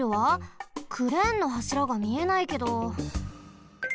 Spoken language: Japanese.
クレーンのはしらがみえないけど。